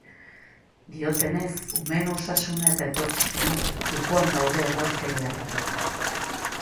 Diotenez, umeen osasuna eta etorkizuna jokoan daude erraustegiarekin.